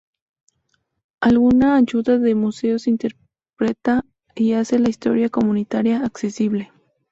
Alguna ayuda de museos interpreta y hacer la historia comunitaria accesible.